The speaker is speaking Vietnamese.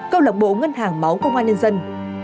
câu lạc bộ ngân hàng máu công an nhân dân